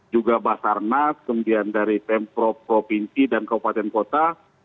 juga basarnas kemudian dari pemprov provinsi dan kabupaten kota